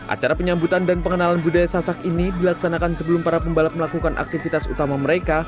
acara penyambutan dan pengenalan budaya sasak ini dilaksanakan sebelum para pembalap melakukan aktivitas utama mereka